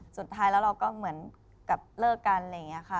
สุดท้ายแล้วเราก็เหมือนกับเลิกกันอะไรอย่างนี้ค่ะ